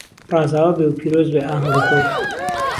رازاوه بێ و پیرۆز بێ ئاههنگهکهو